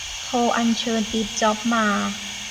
โทรอัญเชิญตีฟจ็อบมา